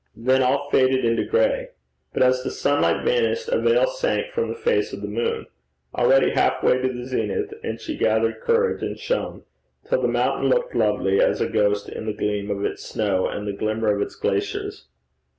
Then all faded into gray. But as the sunlight vanished, a veil sank from the face of the moon, already half way to the zenith, and she gathered courage and shone, till the mountain looked lovely as a ghost in the gleam of its snow and the glimmer of its glaciers.